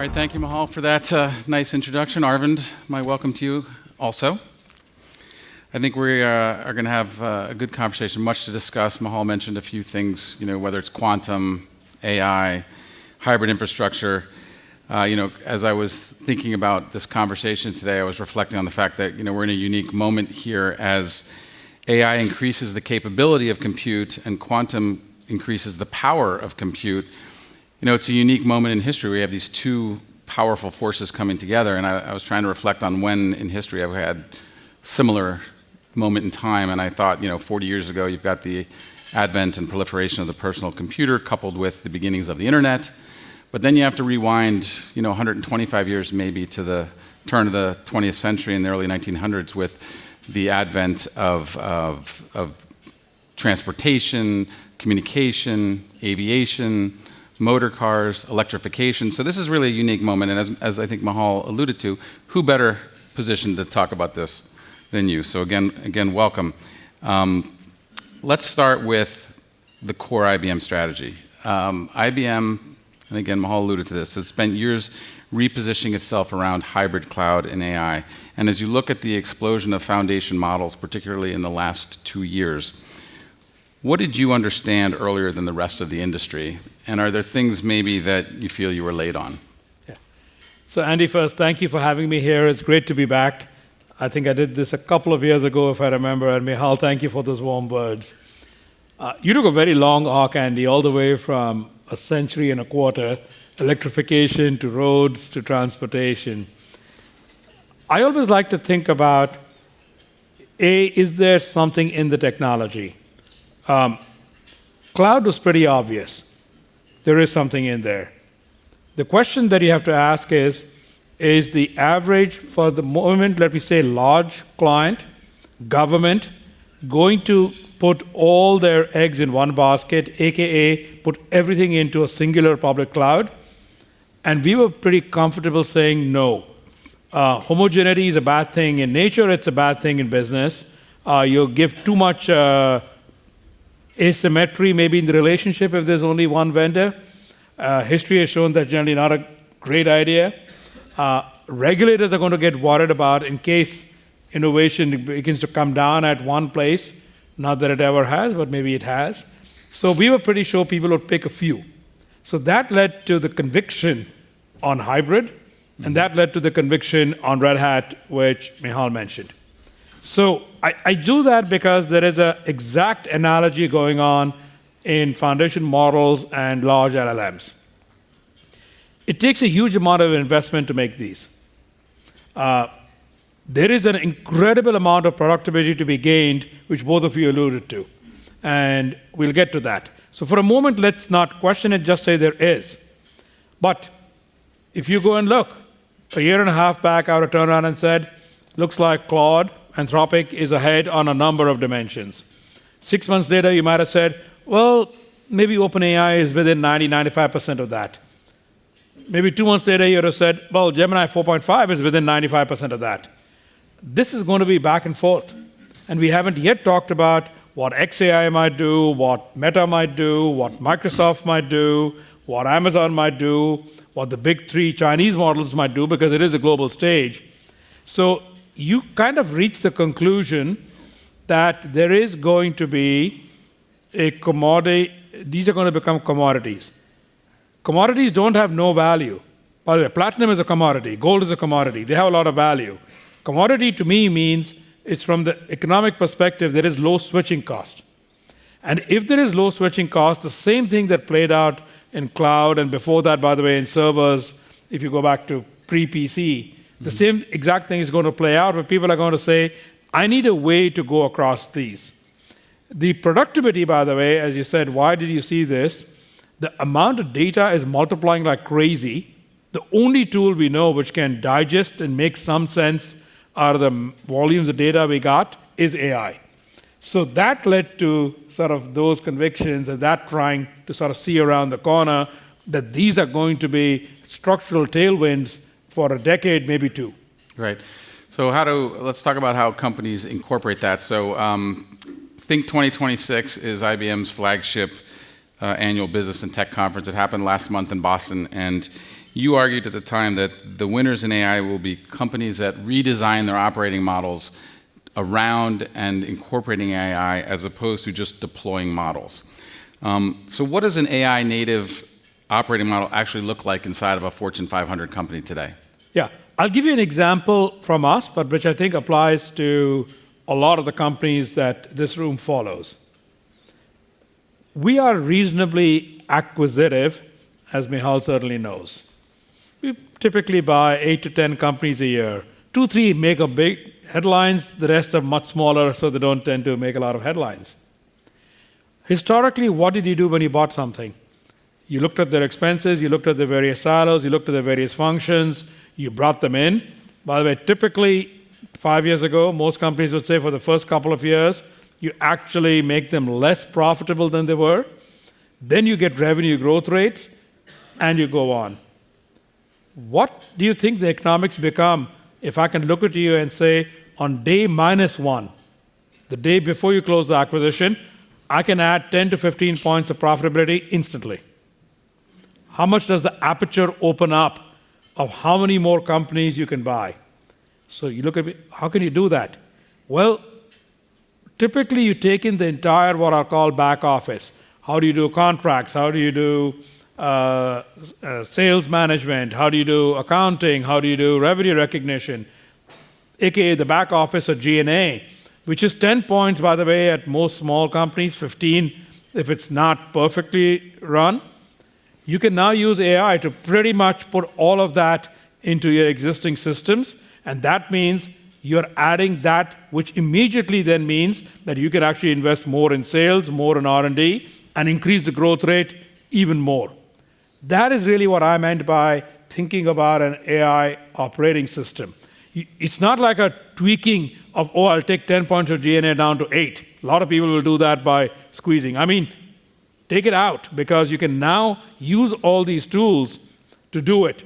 All right. Thank you, Michal, for that nice introduction. Arvind, my welcome to you also. I think we are going to have a good conversation. Much to discuss. Michal mentioned a few things, whether it's quantum, AI, hybrid infrastructure. As I was thinking about this conversation today, I was reflecting on the fact that we're in a unique moment here as AI increases the capability of compute and quantum increases the power of compute. It's a unique moment in history. We have these two powerful forces coming together, and I was trying to reflect on when in history I've had similar moment in time. I thought, 40 years ago, you've got the advent and proliferation of the personal computer coupled with the beginnings of the internet. You have to rewind 125 years, maybe, to the turn of the 20th century in the early 1900s, with the advent of transportation, communication, aviation, motorcars, electrification. This is really a unique moment, and as I think Michal alluded to, who better positioned to talk about this than you? Again, welcome. Let's start with the core IBM strategy. IBM, and again, Michal alluded to this, has spent years repositioning itself around hybrid cloud and AI. As you look at the explosion of foundation models, particularly in the last two years, what did you understand earlier than the rest of the industry? Are there things maybe that you feel you were late on? Yeah. Andy, first, thank you for having me here. It's great to be back. I think I did this a couple of years ago, if I remember. Michal, thank you for those warm words. You took a very long arc, Andy, all the way from a century and a quarter, electrification to roads to transportation. I always like to think about, A, is there something in the technology? Cloud was pretty obvious. There is something in there. The question that you have to ask is the average for the moment, let me say, large client, government, going to put all their eggs in one basket, AKA put everything into a singular public cloud? We were pretty comfortable saying no. Homogeneity is a bad thing in nature, it's a bad thing in business. You'll give too much asymmetry maybe in the relationship if there's only one vendor. History has shown that's generally not a great idea. Regulators are going to get worried about in case innovation begins to come down at one place. Not that it ever has, but maybe it has. We were pretty sure people would pick a few. That led to the conviction on hybrid, and that led to the conviction on Red Hat, which Michal mentioned. I do that because there is an exact analogy going on in foundation models and large LLMs. It takes a huge amount of investment to make these. There is an incredible amount of productivity to be gained, which both of you alluded to, and we'll get to that. For a moment, let's not question it, just say there is. If you go and look a year and a half back, I would turn around and said, "Looks like Claude, Anthropic is ahead on a number of dimensions." Six months later, you might have said, "Well, maybe OpenAI is within 90, 95% of that." Maybe two months later, you'd have said, "Well, Gemini 4.5 is within 95% of that." This is going to be back and forth, and we haven't yet talked about what xAI might do, what Meta might do, what Microsoft might do, what Amazon might do, what the big three Chinese models might do, because it is a global stage. You kind of reach the conclusion that these are going to become commodities. Commodities don't have no value. By the way, platinum is a commodity. Gold is a commodity. They have a lot of value. Commodity to me means it's from the economic perspective, there is low switching cost. If there is low switching cost, the same thing that played out in cloud and before that, by the way, in servers, if you go back to pre-PC. The same exact thing is going to play out where people are going to say, "I need a way to go across these." The productivity, by the way, as you said, why did you see this? The amount of data is multiplying like crazy. The only tool we know which can digest and make some sense out of the volumes of data we got is AI. That led to sort of those convictions and that trying to sort of see around the corner that these are going to be structural tailwinds for a decade, maybe two. Right. Let's talk about how companies incorporate that. Think 2026 is IBM's flagship annual business and tech conference. It happened last month in Boston, and you argued at the time that the winners in AI will be companies that redesign their operating models around and incorporating AI as opposed to just deploying models. What does an AI native operating model actually look like inside of a Fortune 500 company today? Yeah. I'll give you an example from us, but which I think applies to a lot of the companies that this room follows. We are reasonably acquisitive, as Michal certainly knows. We typically buy 8-10 companies a year. Two, three make big headlines. The rest are much smaller, so they don't tend to make a lot of headlines. Historically, what did you do when you bought something? You looked at their expenses, you looked at their various silos, you looked at their various functions, you brought them in. By the way, typically, five years ago, most companies would say for the first couple of years, you actually make them less profitable than they were. You get revenue growth rates, and you go on. What do you think the economics become if I can look at you and say, "On day minus one-" The day before you close the acquisition, I can add 10-15 points of profitability instantly. How much does the aperture open up of how many more companies you can buy? You look at me, how can you do that? Well, typically you take in the entire what I call back office. How do you do contracts? How do you do sales management? How do you do accounting? How do you do revenue recognition? AKA the back office of G&A, which is 10 points, by the way, at most small companies, 15 if it's not perfectly run. You can now use AI to pretty much put all of that into your existing systems, and that means you're adding that, which immediately then means that you could actually invest more in sales, more in R&D, and increase the growth rate even more. That is really what I meant by thinking about an AI operating system. It's not like a tweaking of, "Oh, I'll take 10 points of G&A down to eight." A lot of people will do that by squeezing. Take it out, because you can now use all these tools to do it.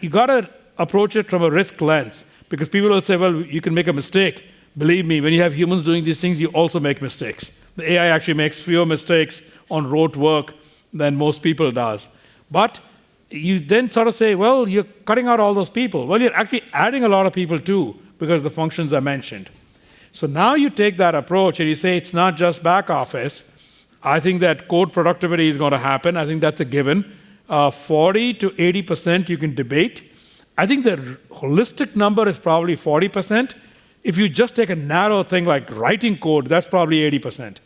You got to approach it from a risk lens, because people will say, "Well, you can make a mistake." Believe me, when you have humans doing these things, you also make mistakes. The AI actually makes fewer mistakes on rote work than most people does. You then sort of say, "Well, you're cutting out all those people." Well, you're actually adding a lot of people, too, because the functions I mentioned. Now you take that approach and you say it's not just back office. I think that code productivity is going to happen. I think that's a given. 40%-80% you can debate. I think the holistic number is probably 40%. If you just take a narrow thing like writing code, that's probably 80%.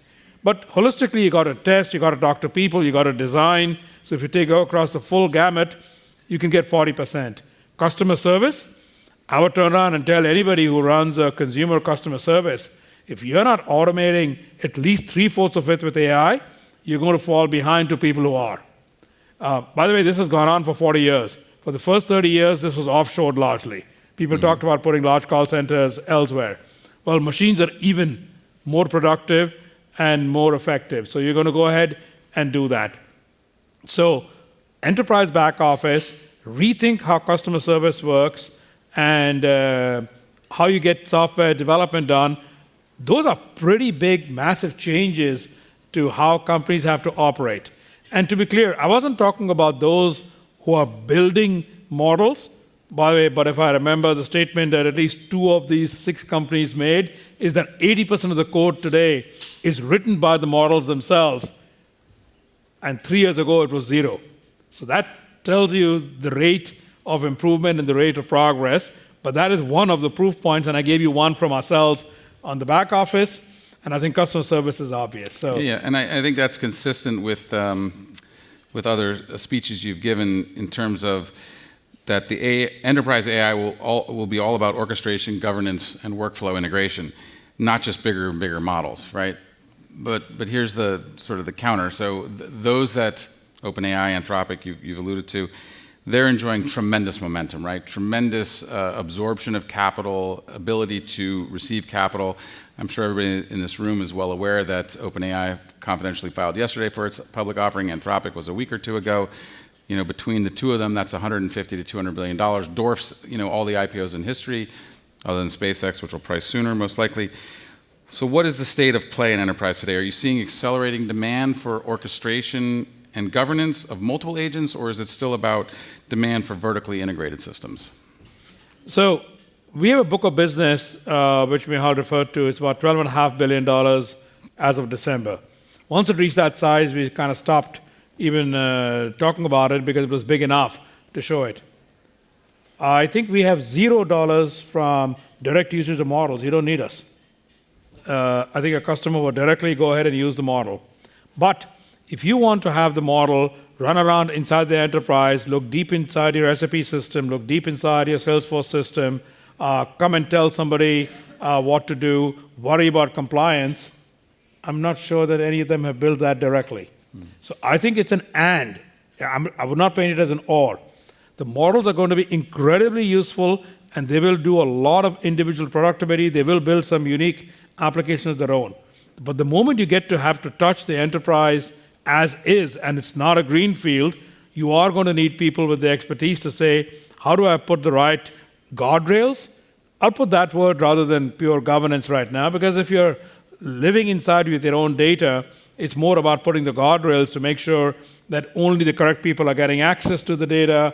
Holistically, you got to test, you got to talk to people, you got to design. If you take across the full gamut, you can get 40%. Customer service, I would turn around and tell anybody who runs a consumer customer service, "If you're not automating at least three-fourths of it with AI, you're going to fall behind to people who are." By the way, this has gone on for 40 years. For the first 30 years, this was offshored largely. People talked about putting large call centers elsewhere. Well, machines are even more productive and more effective, you're going to go ahead and do that. Enterprise back office, rethink how customer service works and how you get software development done. Those are pretty big, massive changes to how companies have to operate. To be clear, I wasn't talking about those who are building models, by the way, if I remember the statement that at least two of these six companies made is that 80% of the code today is written by the models themselves, and three years ago it was zero. That tells you the rate of improvement and the rate of progress, that is one of the proof points, and I gave you one from ourselves on the back office, and I think customer service is obvious. Yeah, I think that's consistent with other speeches you've given in terms of that the enterprise AI will be all about orchestration, governance, and workflow integration, not just bigger and bigger models, right? Here's the counter. Those that, OpenAI, Anthropic, you've alluded to, they're enjoying tremendous momentum, right? Tremendous absorption of capital, ability to receive capital. I'm sure everybody in this room is well aware that OpenAI confidentially filed yesterday for its public offering. Anthropic was a week or two ago. Between the two of them, that's $150 billion-$200 billion. Dwarfs all the IPOs in history, other than SpaceX, which will price sooner, most likely. What is the state of play in enterprise today? Are you seeing accelerating demand for orchestration and governance of multiple agents, or is it still about demand for vertically integrated systems? We have a book of business, which Michal referred to. It's about $12.5 billion as of December. Once it reached that size, we kind of stopped even talking about it because it was big enough to show it. I think we have $0 from direct users of models who don't need us. I think a customer will directly go ahead and use the model. If you want to have the model run around inside the enterprise, look deep inside your SAP system, look deep inside your Salesforce system, come and tell somebody what to do, worry about compliance, I'm not sure that any of them have built that directly. I think it's an and. I would not paint it as an or. The models are going to be incredibly useful, and they will do a lot of individual productivity. They will build some unique applications of their own. The moment you get to have to touch the enterprise as is, and it's not a greenfield, you are going to need people with the expertise to say, "How do I put the right guardrails?" I'll put that word rather than pure governance right now, because if you're living inside with your own data, it's more about putting the guardrails to make sure that only the correct people are getting access to the data.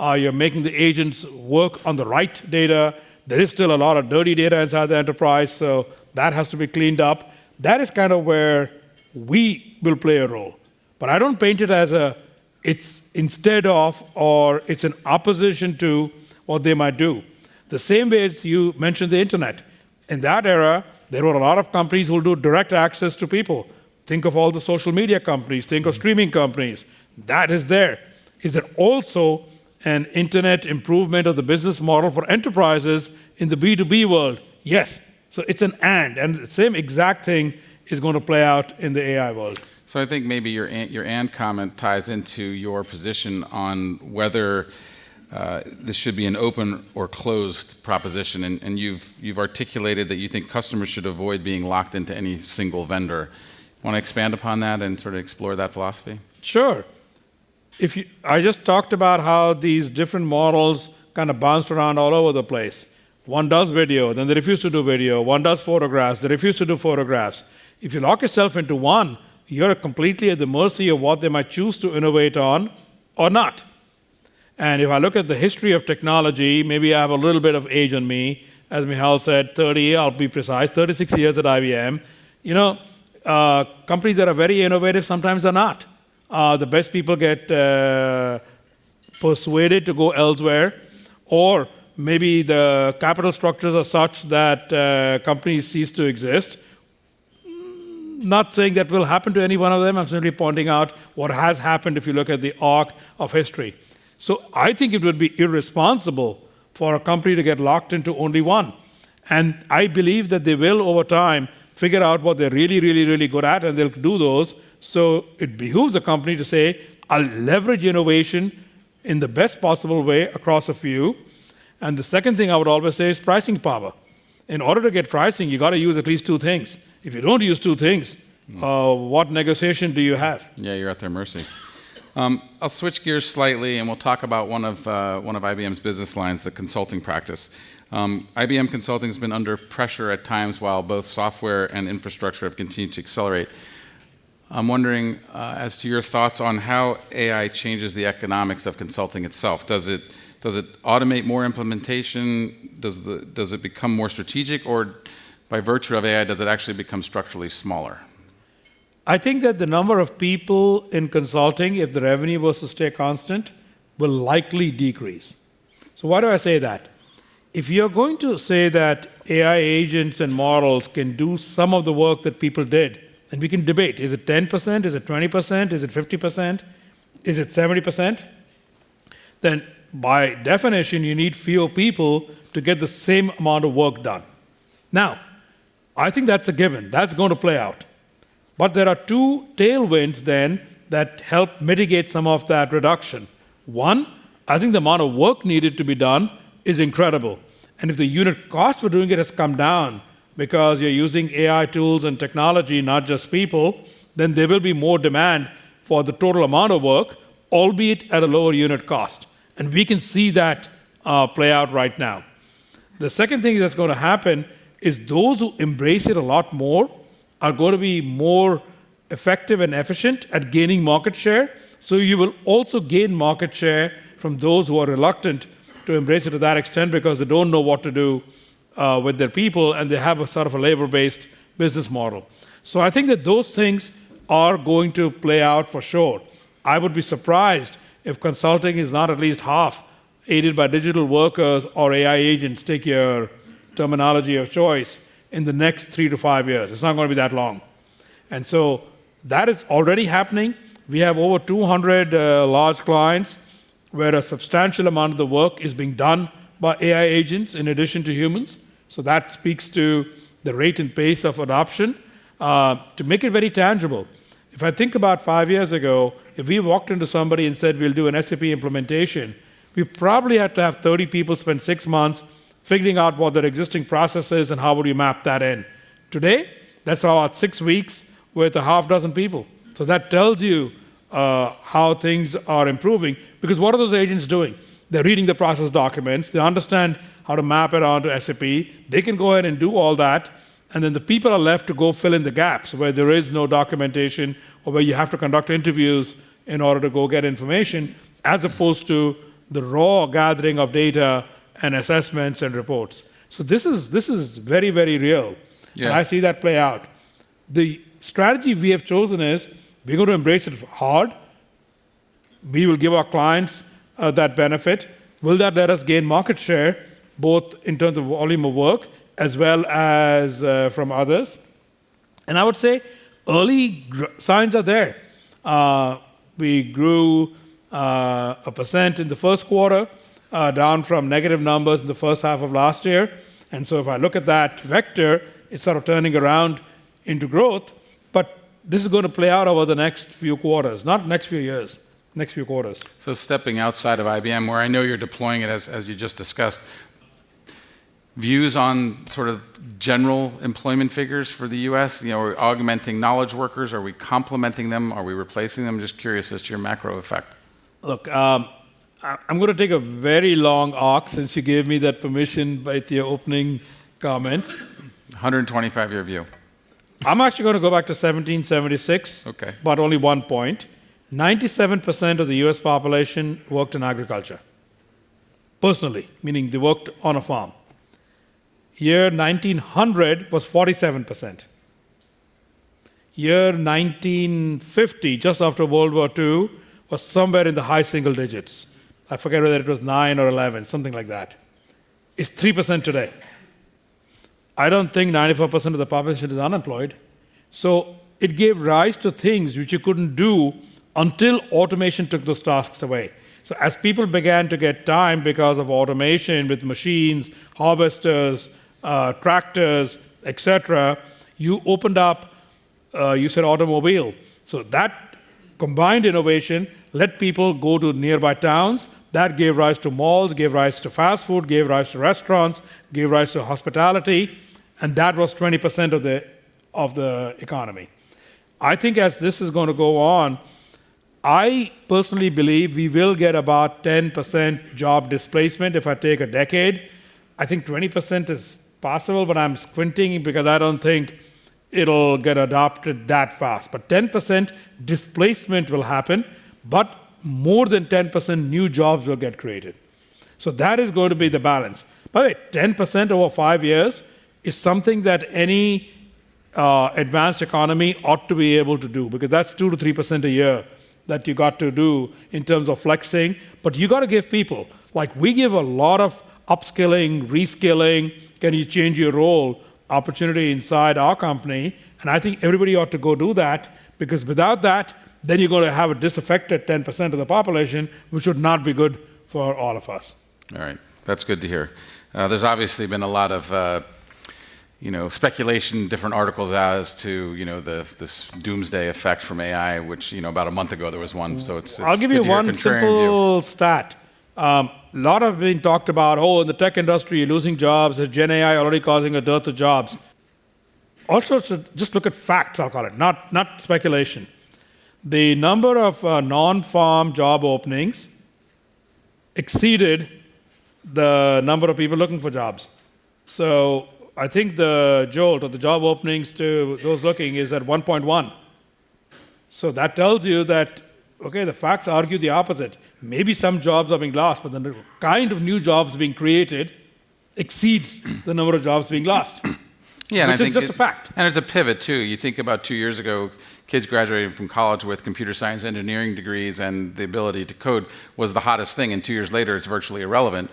You're making the agents work on the right data. There is still a lot of dirty data inside the enterprise, so that has to be cleaned up. That is kind of where we will play a role. I don't paint it as a it's instead of or it's an opposition to what they might do. The same way as you mentioned the internet. In that era, there were a lot of companies who will do direct access to people. Think of all the social media companies. Think of streaming companies. That is there. Is there also an internet improvement of the business model for enterprises in the B2B world? Yes. It's an and the same exact thing is going to play out in the AI world. I think maybe your and comment ties into your position on whether this should be an open or closed proposition, and you've articulated that you think customers should avoid being locked into any single vendor. Want to expand upon that and sort of explore that philosophy? Sure. If you I just talked about how these different models kind of bounced around all over the place. One does video, then they refuse to do video. One does photographs, they refuse to do photographs. If you lock yourself into one, you're completely at the mercy of what they might choose to innovate on or not. If I look at the history of technology, maybe I have a little bit of age on me, as Michal said 30, I'll be precise, 36 years at IBM. Companies that are very innovative sometimes are not. The best people get persuaded to go elsewhere or maybe the capital structures are such that companies cease to exist. Not saying that will happen to any one of them, I'm simply pointing out what has happened if you look at the arc of history. I think it would be irresponsible for a company to get locked into only one. I believe that they will, over time, figure out what they're really good at, and they'll do those. It behooves a company to say, "I'll leverage innovation in the best possible way across a few." The second thing I would always say is pricing power. In order to get pricing, you got to use at least two things. If you don't use two things, what negotiation do you have? Yeah, you're at their mercy. I'll switch gears slightly. We'll talk about one of IBM's business lines, the consulting practice. IBM Consulting's been under pressure at times while both software and infrastructure have continued to accelerate. I'm wondering as to your thoughts on how AI changes the economics of consulting itself. Does it automate more implementation? Does it become more strategic? By virtue of AI, does it actually become structurally smaller? I think that the number of people in consulting, if the revenue was to stay constant, will likely decrease. Why do I say that? If you're going to say that AI agents and models can do some of the work that people did, and we can debate, is it 10%? Is it 20%? Is it 50%? Is it 70%? Then by definition, you need fewer people to get the same amount of work done. Now, I think that's a given. That's going to play out. There are two tailwinds then that help mitigate some of that reduction. One, I think the amount of work needed to be done is incredible, if the unit cost for doing it has come down because you're using AI tools and technology, not just people, then there will be more demand for the total amount of work, albeit at a lower unit cost. We can see that play out right now. The second thing that's going to happen is those who embrace it a lot more are going to be more effective and efficient at gaining market share. You will also gain market share from those who are reluctant to embrace it to that extent because they don't know what to do with their people, they have a sort of a labor based business model. I think that those things are going to play out for sure. I would be surprised if consulting is not at least half aided by digital workers or AI agents, take your terminology of choice, in the next 3 to 5 years. It's not going to be that long. That is already happening. We have over 200 large clients where a substantial amount of the work is being done by AI agents in addition to humans, so that speaks to the rate and pace of adoption. To make it very tangible, if I think about 5 years ago, if we walked into somebody and said, "We'll do an SAP implementation," we probably had to have 30 people spend 6 months figuring out what their existing process is and how would you map that in. Today, that's about 6 weeks with a half dozen people. That tells you how things are improving because what are those agents doing? They're reading the process documents. They understand how to map it onto SAP. They can go ahead and do all that, the people are left to go fill in the gaps where there is no documentation or where you have to conduct interviews in order to go get information as opposed to the raw gathering of data and assessments and reports. This is very real. Yeah. I see that play out. The strategy we have chosen is we're going to embrace it hard. We will give our clients that benefit. Will that let us gain market share, both in terms of volume of work as well as from others? I would say early signs are there. We grew 1% in the first quarter, down from negative numbers in the first half of last year. If I look at that vector, it's sort of turning around into growth, but this is going to play out over the next few quarters. Not next few years, next few quarters. Stepping outside of IBM, where I know you're deploying it as you just discussed, views on sort of general employment figures for the U.S. Are we augmenting knowledge workers? Are we complementing them? Are we replacing them? Just curious as to your macro effect. I'm going to take a very long arc since you gave me that permission by the opening comment. 125 year view. I'm actually going to go back to 1776. Okay. Only one point. 97% of the U.S. population worked in agriculture. Personally, meaning they worked on a farm. Year 1900 was 47%. Year 1950, just after World War II, was somewhere in the high single digits. I forget whether it was nine or 11, something like that. It's 3% today. I don't think 94% of the population is unemployed. It gave rise to things which you couldn't do until automation took those tasks away. As people began to get time because of automation with machines, harvesters, tractors, et cetera, you opened up, you said automobile. That combined innovation let people go to nearby towns. That gave rise to malls, gave rise to fast food, gave rise to restaurants, gave rise to hospitality, and that was 20% of the economy. I think as this is going to go on, I personally believe we will get about 10% job displacement if I take a decade. I think 20% is possible, but I'm squinting because I don't think it'll get adopted that fast. 10% displacement will happen, but more than 10% new jobs will get created. That is going to be the balance. By the way, 10% over five years is something that any advanced economy ought to be able to do because that's 2% to 3% a year that you got to do in terms of flexing. You got to give people. We give a lot of upskilling, reskilling, can you change your role opportunity inside our company, I think everybody ought to go do that because without that, then you're going to have a disaffected 10% of the population, which would not be good for all of us. All right. That's good to hear. There's obviously been a lot of speculation, different articles as to this doomsday effect from AI, which about a month ago there was one. It's good to hear that. I'll give you one simple stat. Lot have been talked about, "Oh, in the tech industry, you're losing jobs, has GenAI already causing a dearth of jobs?" All sorts of just look at facts, I'll call it, not speculation. The number of non-farm job openings exceeded the number of people looking for jobs. I think the jolt of the job openings to those looking is at 1.1. That tells you that, okay, the facts argue the opposite. Maybe some jobs are being lost, but the kind of new jobs being created exceeds the number of jobs being lost. Yeah, I think. Which is just a fact. It's a pivot, too. You think about two years ago, kids graduating from college with computer science engineering degrees, and the ability to code was the hottest thing, and two years later, it's virtually irrelevant.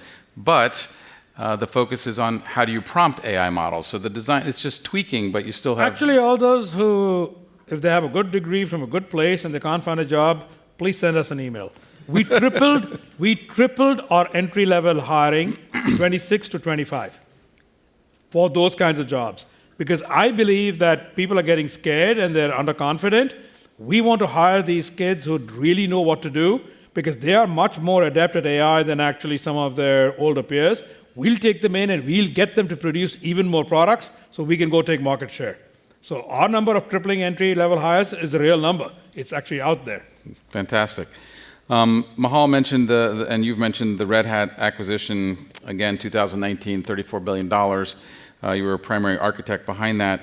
The focus is on how do you prompt AI models. The design, it's just tweaking, but you still have. Actually, all those who, if they have a good degree from a good place and they can't find a job, please send us an email. We tripled our entry level hiring, 2026 to 2025, for those kinds of jobs because I believe that people are getting scared and they're under-confident. We want to hire these kids who really know what to do because they are much more adept at AI than actually some of their older peers. We'll take them in, and we'll get them to produce even more products so we can go take market share. Our number of tripling entry level hires is a real number. It's actually out there. Fantastic. Michal mentioned the, you've mentioned the Red Hat acquisition again, 2019, $34 billion. You were a primary architect behind that.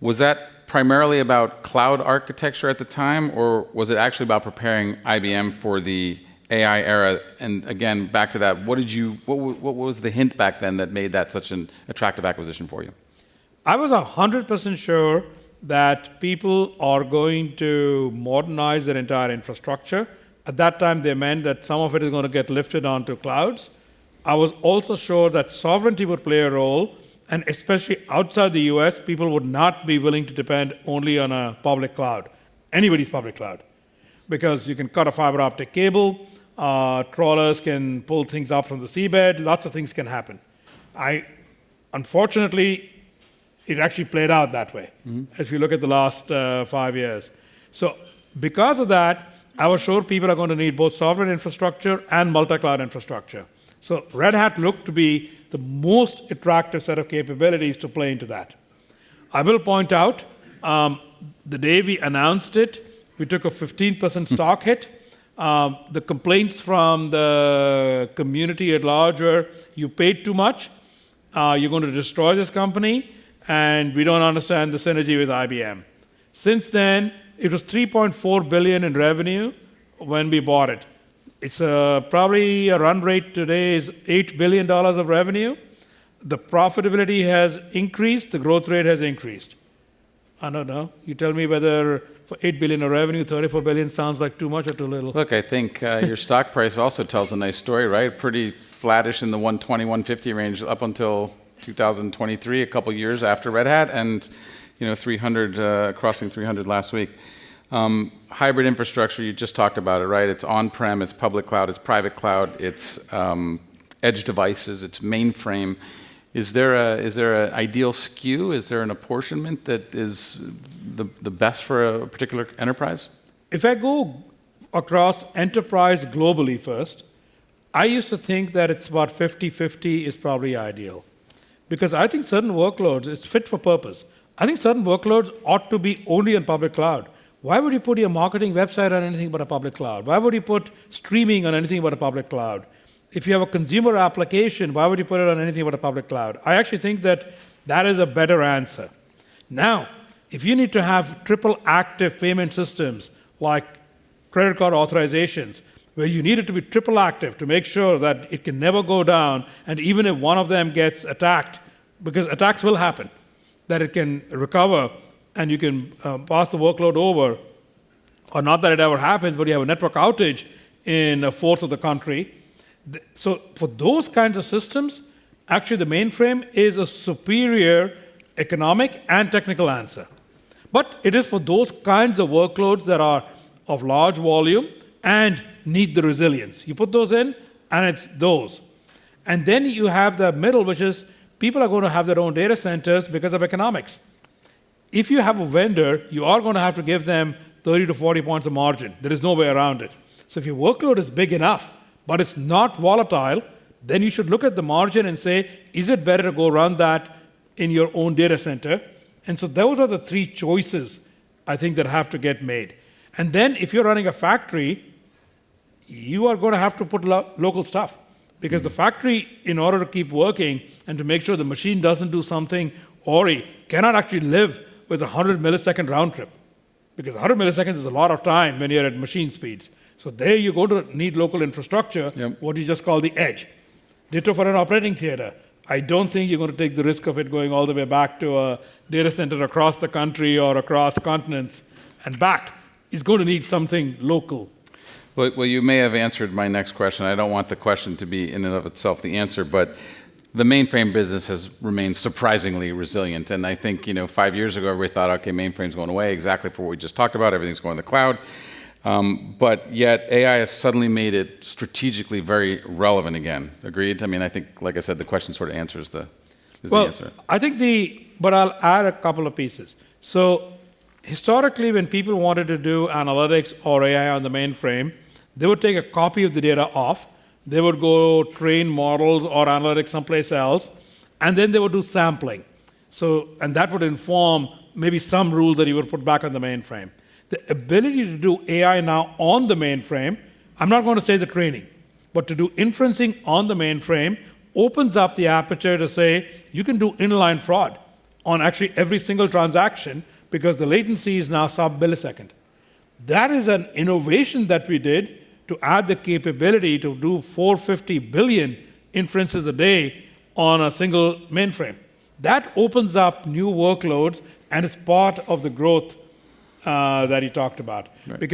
Was that primarily about cloud architecture at the time, or was it actually about preparing IBM for the AI era? Again, back to that, what was the hint back then that made that such an attractive acquisition for you? I was 100% sure that people are going to modernize their entire infrastructure. At that time, they meant that some of it is going to get lifted onto clouds. I was also sure that sovereignty would play a role, especially outside the U.S., people would not be willing to depend only on a public cloud. Anybody's public cloud. You can cut a fiber optic cable, trawlers can pull things out from the seabed, lots of things can happen. Unfortunately, it actually played out that way. if you look at the last five years. Because of that, I was sure people are going to need both sovereign infrastructure and multi-cloud infrastructure. Red Hat looked to be the most attractive set of capabilities to play into that. I will point out, the day we announced it, we took a 15% stock hit. The complaints from the community at large were, "You paid too much. You're going to destroy this company, and we don't understand the synergy with IBM." Since then, it was $3.4 billion in revenue when we bought it. It's probably a run rate today is $8 billion of revenue. The profitability has increased, the growth rate has increased. I don't know. You tell me whether for $8 billion of revenue, $34 billion sounds like too much or too little. Look, I think your stock price also tells a nice story, right? Pretty flattish in the 120, 150 range up until 2023, a couple of years after Red Hat, and crossing 300 last week. Hybrid infrastructure, you just talked about it, right? It's on-prem, it's public cloud, it's private cloud, it's edge devices, it's mainframe. Is there an ideal SKU? Is there an apportionment that is the best for a particular enterprise? If I go across enterprise globally first, I used to think that it's about 50/50 is probably ideal. Because I think certain workloads, it's fit for purpose. I think certain workloads ought to be only on public cloud. Why would you put your marketing website on anything but a public cloud? Why would you put streaming on anything but a public cloud? If you have a consumer application, why would you put it on anything but a public cloud? I actually think that that is a better answer. Now, if you need to have triple active payment systems like credit card authorizations, where you need it to be triple active to make sure that it can never go down, and even if one of them gets attacked, because attacks will happen, that it can recover, and you can pass the workload over. Not that it ever happens, but you have a network outage in a fourth of the country. For those kinds of systems, actually, the mainframe is a superior economic and technical answer. It is for those kinds of workloads that are of large volume and need the resilience. You put those in, and it's those. Then you have the middle, which is people are going to have their own data centers because of economics. If you have a vendor, you are going to have to give them 30-40 points of margin. There is no way around it. If your workload is big enough but it's not volatile, you should look at the margin and say, is it better to go run that in your own data center? Those are the three choices I think that have to get made. If you're running a factory, you are going to have to put local stuff because the factory, in order to keep working and to make sure the machine doesn't do something awry, cannot actually live with a 100-millisecond round trip because 100 milliseconds is a lot of time when you're at machine speeds. There you're going to need local infrastructure. Yeah What you just call the edge. Data for an operating theater, I don't think you're going to take the risk of it going all the way back to a data center across the country or across continents and back. It's going to need something local. You may have answered my next question. I do not want the question to be in and of itself the answer, the mainframe business has remained surprisingly resilient, and I think, 5 years ago, everybody thought, "Okay, mainframe is going away," exactly for what we just talked about. Everything is going to the cloud. Yet AI has suddenly made it strategically very relevant again. Agreed? I think, like I said, the question sort of is the answer. I will add a couple of pieces. Historically, when people wanted to do analytics or AI on the mainframe, they would take a copy of the data off, they would go train models or analytics someplace else, then they would do sampling. That would inform maybe some rules that you would put back on the mainframe. The ability to do AI now on the mainframe, I am not going to say the training, but to do inferencing on the mainframe opens up the aperture to say you can do inline fraud on actually every single transaction because the latency is now sub-millisecond. That is an innovation that we did to add the capability to do 450 billion inferences a day on a single mainframe. That opens up new workloads, and it is part of the growth that you talked about. Right.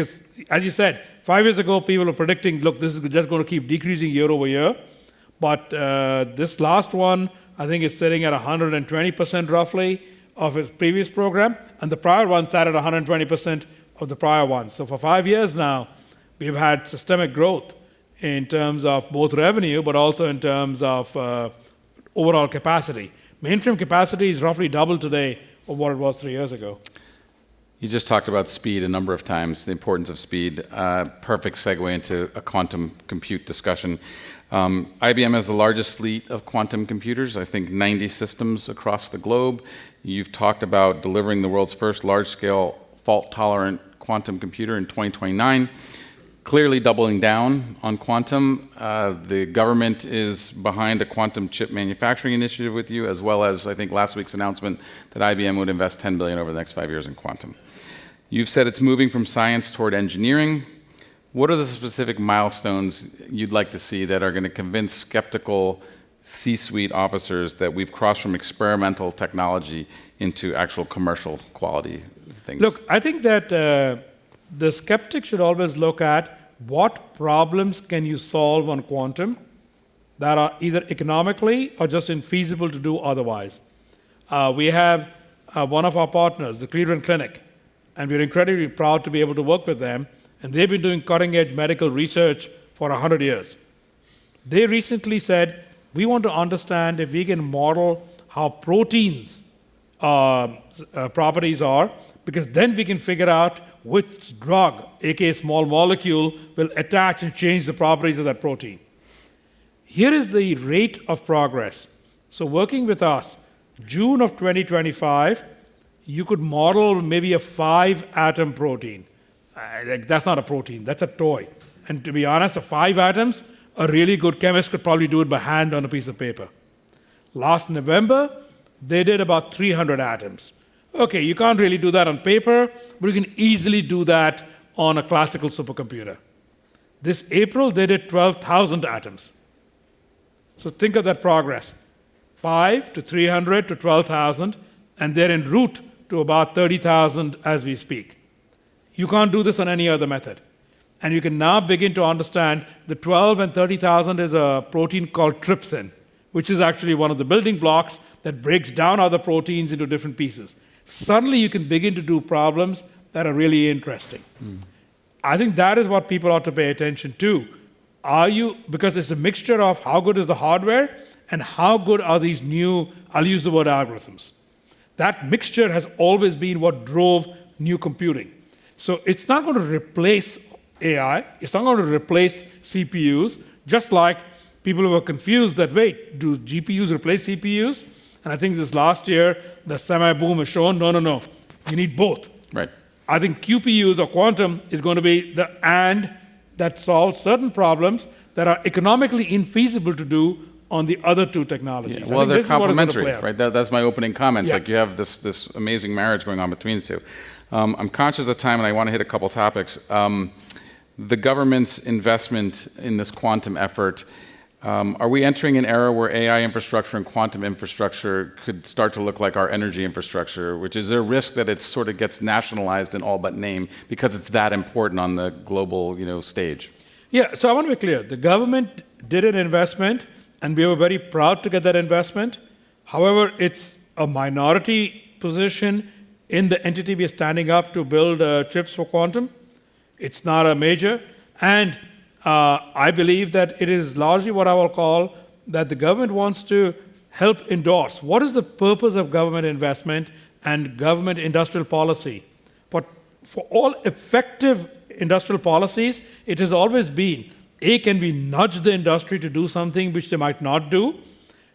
As you said, 5 years ago, people were predicting, "Look, this is just going to keep decreasing year-over-year." This last one, I think, is sitting at 120%, roughly, of its previous program. The prior one sat at 120% of the prior one. For 5 years now, we have had systemic growth in terms of both revenue, but also in terms of overall capacity. Mainframe capacity is roughly double today of what it was 3 years ago. You just talked about speed a number of times, the importance of speed. A perfect segue into a quantum compute discussion. IBM has the largest fleet of quantum computers, I think 90 systems across the globe. You have talked about delivering the world's first large-scale fault-tolerant quantum computer in 2029, clearly doubling down on quantum. The government is behind a quantum chip manufacturing initiative with you, as well as, I think, last week's announcement that IBM would invest $10 billion over the next 5 years in quantum. You have said it is moving from science toward engineering. What are the specific milestones you would like to see that are going to convince skeptical C-suite officers that we have crossed from experimental technology into actual commercial quality things? Look, I think that the skeptics should always look at what problems can you solve on quantum that are either economically or just infeasible to do otherwise. We have one of our partners, the Cleveland Clinic, and we're incredibly proud to be able to work with them, and they've been doing cutting-edge medical research for 100 years. They recently said, "We want to understand if we can model how proteins' properties are, because then we can figure out which drug, AKA small molecule, will attach and change the properties of that protein." Here is the rate of progress. Working with us, June of 2025, you could model maybe a five-atom protein. That's not a protein. That's a toy. And to be honest, five atoms, a really good chemist could probably do it by hand on a piece of paper. Last November, they did about 300 atoms. Okay, you can't really do that on paper, but you can easily do that on a classical supercomputer. This April, they did 12,000 atoms. Think of that progress, five to 300 to 12,000, and they're en route to about 30,000 as we speak. You can't do this on any other method. You can now begin to understand the 12,000 and 30,000 is a protein called trypsin, which is actually one of the building blocks that breaks down other proteins into different pieces. Suddenly, you can begin to do problems that are really interesting. I think that is what people ought to pay attention to. It's a mixture of how good is the hardware and how good are these new, I'll use the word, algorithms. That mixture has always been what drove new computing. It's not going to replace AI, it's not going to replace CPUs, just like people who are confused that, "Wait, do GPUs replace CPUs?" I think this last year, the semi boom has shown, no, you need both. Right. I think QPUs or quantum is going to be the and that solves certain problems that are economically infeasible to do on the other two technologies. This is what I'm going to play on. Well, they're complementary, right? That's my opening comments. Yeah. You have this amazing marriage going on between the two. I'm conscious of time. I want to hit a couple topics. The government's investment in this quantum effort, are we entering an era where AI infrastructure and quantum infrastructure could start to look like our energy infrastructure? Is there a risk that it sort of gets nationalized in all but name because it's that important on the global stage? Yeah. I want to be clear, the government did an investment. We were very proud to get that investment. However, it's a minority position in the entity we are standing up to build chips for quantum. It's not a major. I believe that it is largely what I will call that the government wants to help endorse. What is the purpose of government investment and government industrial policy? For all effective industrial policies, it has always been, A, can we nudge the industry to do something which they might not do?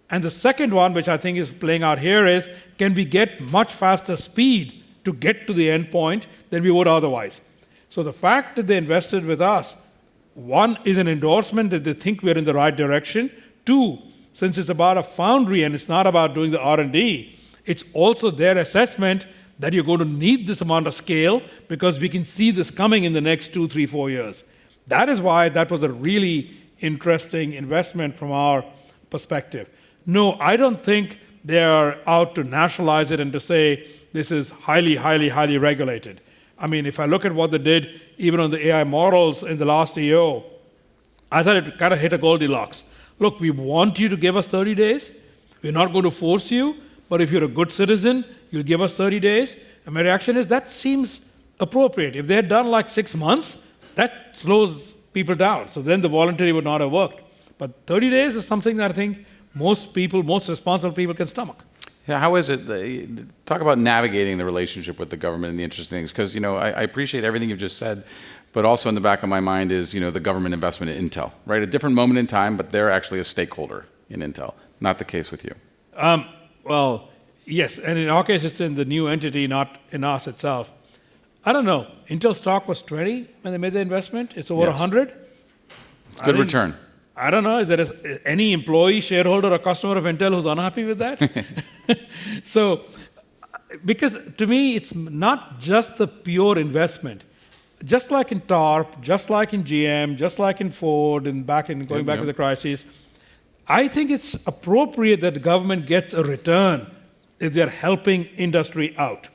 The second one, which I think is playing out here, is can we get much faster speed to get to the endpoint than we would otherwise? The fact that they invested with us, one, is an endorsement that they think we are in the right direction. Two, since it's about a foundry and it's not about doing the R&D, it's also their assessment that you're going to need this amount of scale because we can see this coming in the next two, three, four years. That is why that was a really interesting investment from our perspective. No, I don't think they are out to nationalize it and to say, "This is highly, highly regulated." If I look at what they did, even on the AI models in the last I/O, I thought it kind of hit a Goldilocks. Look, we want you to give us 30 days. We're not going to force you, but if you're a good citizen, you'll give us 30 days. My reaction is, that seems appropriate. If they had done six months, that slows people down. The voluntary would not have worked. 30 days is something that I think most responsible people can stomach. Yeah. Talk about navigating the relationship with the government and the interesting things, because I appreciate everything you've just said, but also in the back of my mind is the government investment in Intel, right? A different moment in time, but they're actually a stakeholder in Intel. Not the case with you. Well, yes, and in our case, it's in the new entity, not in us itself. I don't know. Intel stock was 20 when they made the investment. Yes. It's over 100. It's a good return. I don't know. Is there any employee, shareholder, or customer of Intel who's unhappy with that? To me, it's not just the pure investment. Just like in TARP, just like in GM, just like in Ford, and going back to the crisis, I think it's appropriate that the government gets a return if they're helping industry out.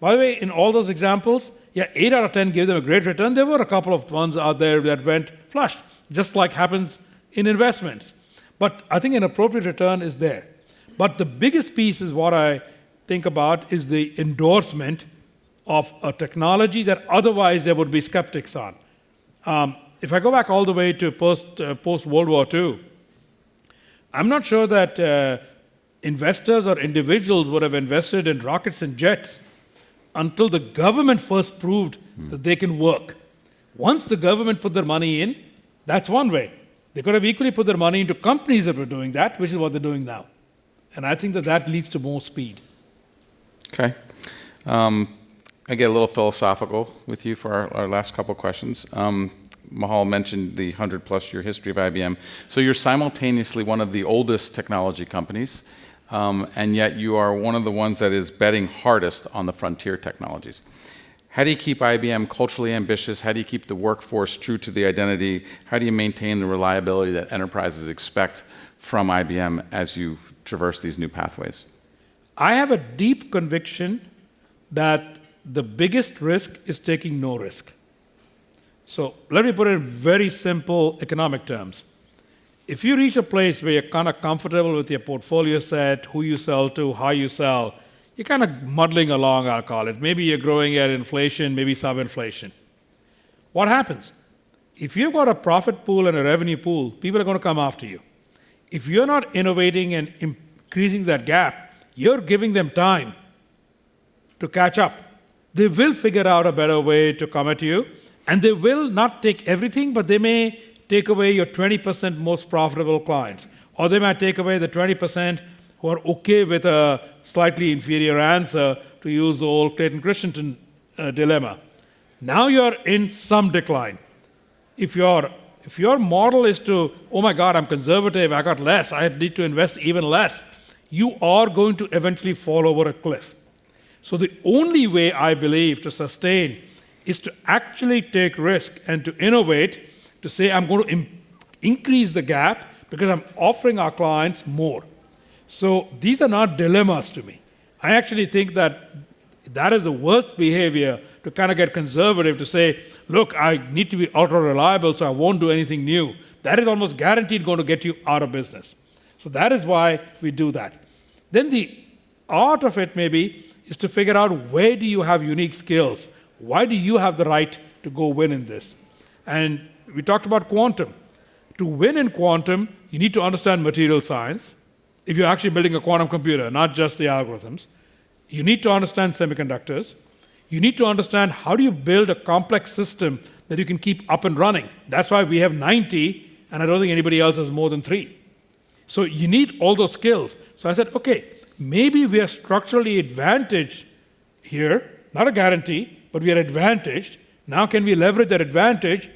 By the way, in all those examples, yeah, eight out of 10 gave them a great return. There were a couple of ones out there that went flush, just like happens in investments. I think an appropriate return is there. The biggest piece is what I think about is the endorsement of a technology that otherwise there would be skeptics on. If I go back all the way to post-World War II, I'm not sure that investors or individuals would have invested in rockets and jets until the government first proved that they can work. Once the government put their money in, that's one way. They could have equally put their money into companies that were doing that, which is what they're doing now. I think that that leads to more speed. Okay. I get a little philosophical with you for our last couple questions. Michal mentioned the 100-plus year history of IBM. You're simultaneously one of the oldest technology companies, and yet you are one of the ones that is betting hardest on the frontier technologies. How do you keep IBM culturally ambitious? How do you keep the workforce true to the identity? How do you maintain the reliability that enterprises expect from IBM as you traverse these new pathways? I have a deep conviction that the biggest risk is taking no risk. Let me put it in very simple economic terms. If you reach a place where you're kind of comfortable with your portfolio set, who you sell to, how you sell, you're kind of muddling along, I'll call it. Maybe you're growing at inflation, maybe sub-inflation. What happens? If you've got a profit pool and a revenue pool, people are going to come after you. If you're not innovating and increasing that gap, you're giving them time to catch up. They will figure out a better way to come at you, and they will not take everything, but they may take away your 20% most profitable clients. Or they might take away the 20% who are okay with a slightly inferior answer, to use the old Clayton Christensen dilemma. You're in some decline. If your model is to, "Oh my God, I'm conservative, I got less, I need to invest even less," you are going to eventually fall over a cliff. The only way I believe to sustain is to actually take risk and to innovate, to say, "I'm going to increase the gap because I'm offering our clients more." These are not dilemmas to me. I actually think that that is the worst behavior, to kind of get conservative, to say, "Look, I need to be ultra-reliable, so I won't do anything new." That is almost guaranteed going to get you out of business. That is why we do that. The art of it, maybe, is to figure out where do you have unique skills? Why do you have the right to go win in this? We talked about quantum. To win in quantum, you need to understand material science, if you're actually building a quantum computer, not just the algorithms. You need to understand semiconductors. You need to understand how do you build a complex system that you can keep up and running. That's why we have 90, and I don't think anybody else has more than three. You need all those skills. I said, "Okay, maybe we are structurally advantaged here. Not a guarantee, but we are advantaged. Can we leverage that advantage?"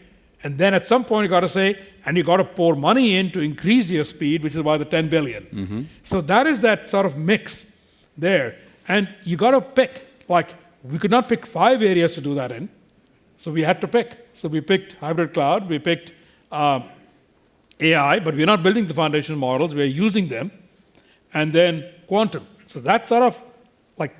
At some point, you've got to say, and you've got to pour money in to increase your speed, which is why the $10 billion. That is that sort of mix there. You got to pick. We could not pick five areas to do that in, we had to pick. We picked hybrid cloud, we picked AI, but we're not building the foundation models, we're using them, and then quantum. That's sort of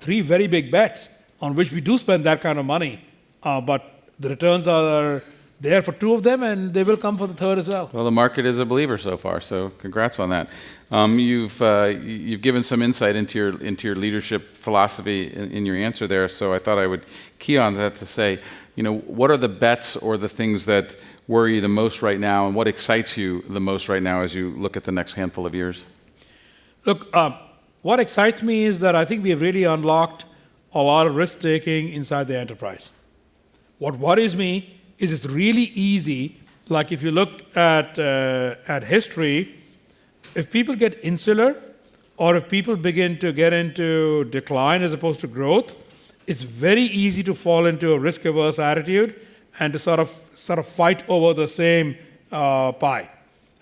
three very big bets on which we do spend that kind of money. The returns are there for two of them, and they will come for the third as well. Well, the market is a believer so far. Congrats on that. You've given some insight into your leadership philosophy in your answer there. I thought I would key on that to say, what are the bets or the things that worry you the most right now, and what excites you the most right now as you look at the next handful of years? Look, what excites me is that I think we have really unlocked a lot of risk-taking inside the enterprise. What worries me is it's really easy, if you look at history, if people get insular or if people begin to get into decline as opposed to growth, it's very easy to fall into a risk-averse attitude and to sort of fight over the same pie.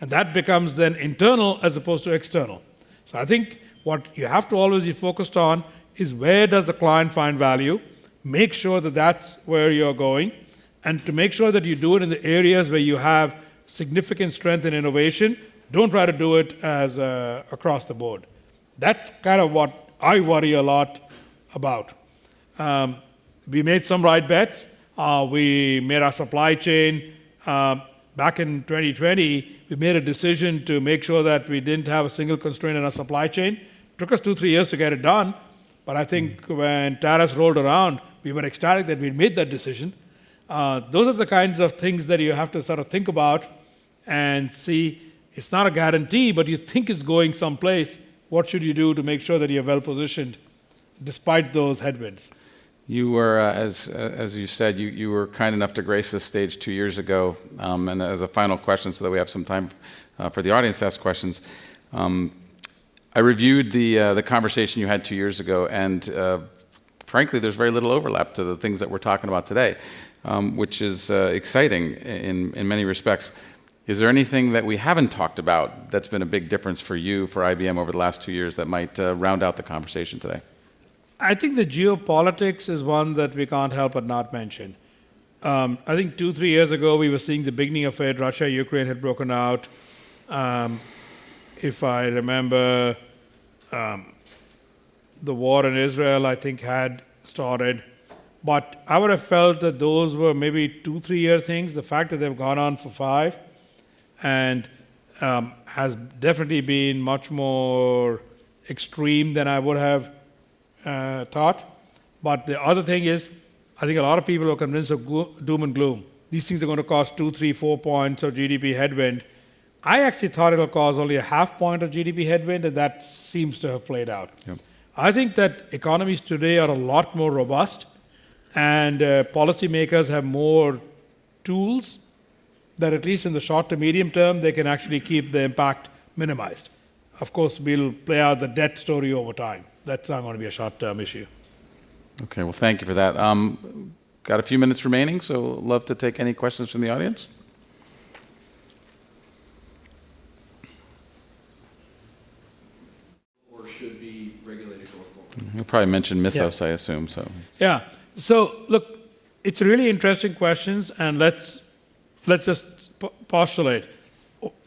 That becomes then internal as opposed to external. I think what you have to always be focused on is where does the client find value, make sure that that's where you're going, and to make sure that you do it in the areas where you have significant strength and innovation. Don't try to do it across the board. That's kind of what I worry a lot about. We made some right bets. Back in 2020, we made a decision to make sure that we didn't have a single constraint in our supply chain. Took us two, three years to get it done. I think when tariffs rolled around, we were ecstatic that we'd made that decision. Those are the kinds of things that you have to sort of think about and see, it's not a guarantee, but you think it's going someplace. What should you do to make sure that you're well positioned despite those headwinds? As you said, you were kind enough to grace this stage two years ago. As a final question, that we have some time for the audience to ask questions, I reviewed the conversation you had two years ago, and frankly, there's very little overlap to the things that we're talking about today, which is exciting in many respects. Is there anything that we haven't talked about that's been a big difference for you, for IBM over the last two years that might round out the conversation today? I think the geopolitics is one that we can't help but not mention. I think two, three years ago, we were seeing the beginning of it. Russia, Ukraine had broken out. If I remember, the war in Israel, I think, had started. I would've felt that those were maybe two, three-year things. The fact that they've gone on for five, and has definitely been much more extreme than I would have thought. The other thing is, I think a lot of people are convinced of doom and gloom. These things are going to cost two, three, four points of GDP headwind. I actually thought it'll cause only a half point of GDP headwind, and that seems to have played out. Yeah. I think that economies today are a lot more robust and policymakers have more tools that, at least in the short to medium term, they can actually keep the impact minimized. Of course, we'll play out the debt story over time. That's not going to be a short-term issue. Okay. Well, thank you for that. I've got a few minutes remaining, I'd love to take any questions from the audience. Should be regulated going forward? He'll probably mention Mythos. Yeah I assume so. Yeah. Look, it is really interesting questions, and let us just postulate.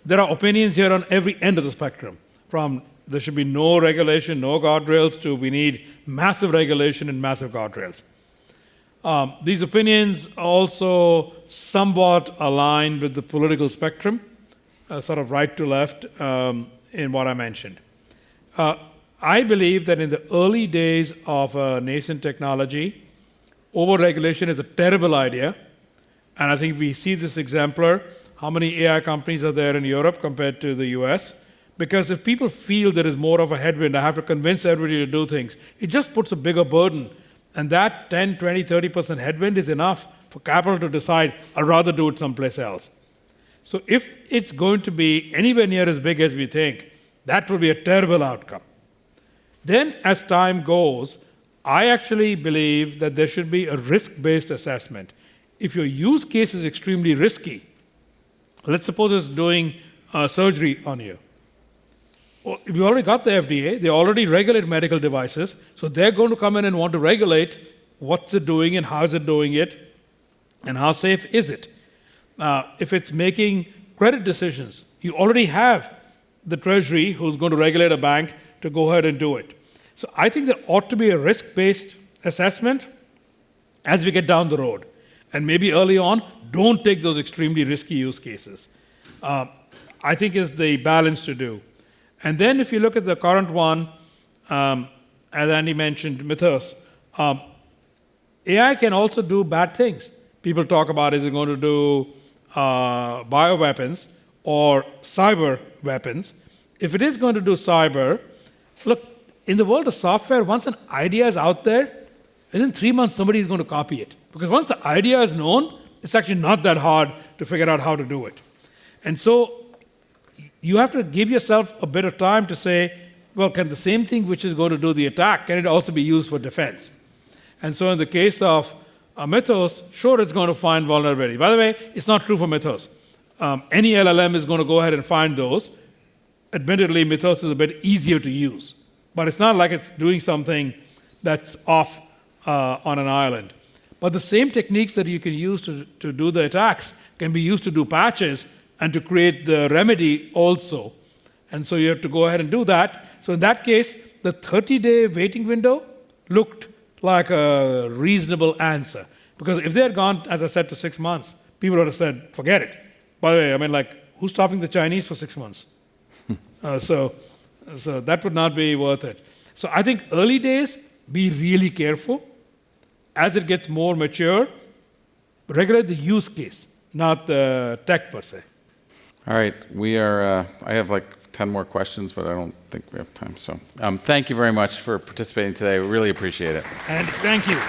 There are opinions here on every end of the spectrum, from there should be no regulation, no guardrails, to we need massive regulation and massive guardrails. These opinions also somewhat align with the political spectrum, sort of right to left, in what I mentioned. I believe that in the early days of a nascent technology, over-regulation is a terrible idea, and I think we see this exemplar, how many AI companies are there in Europe compared to the U.S. If people feel there is more of a headwind, I have to convince everybody to do things, it just puts a bigger burden. That 10, 20, 30% headwind is enough for capital to decide, "I'd rather do it someplace else." If it's going to be anywhere near as big as we think, that will be a terrible outcome. As time goes, I actually believe that there should be a risk-based assessment. If your use case is extremely risky, let's suppose it's doing surgery on you. Well, we've already got the FDA, they already regulate medical devices, so they're going to come in and want to regulate what's it doing and how is it doing it, and how safe is it? If it's making credit decisions, you already have the Treasury who's going to regulate a bank to go ahead and do it. I think there ought to be a risk-based assessment as we get down the road. Maybe early on, don't take those extremely risky use cases. I think it's the balance to do. If you look at the current one, as Andy mentioned, Mythos. AI can also do bad things. People talk about is it going to do bioweapons or cyber weapons? If it is going to do cyber, look, in the world of software, once an idea is out there, within three months somebody's going to copy it. Once the idea is known, it's actually not that hard to figure out how to do it. You have to give yourself a bit of time to say, "Well, can the same thing which is going to do the attack, can it also be used for defense?" In the case of Mythos, sure it's going to find vulnerabilities. By the way, it's not true for Mythos. Any LLM is going to go ahead and find those. Admittedly, Mythos is a bit easier to use. It's not like it's doing something that's off on an island. The same techniques that you can use to do the attacks can be used to do patches and to create the remedy also. You have to go ahead and do that. In that case, the 30-day waiting window looked like a reasonable answer, because if they had gone, as I said, to six months, people would've said, "Forget it." By the way, who's stopping the Chinese for six months? That would not be worth it. I think early days, be really careful. As it gets more mature, regulate the use case, not the tech per se. All right. I have 10 more questions, but I don't think we have time. Thank you very much for participating today. We really appreciate it. Thank you